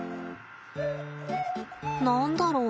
何だろう？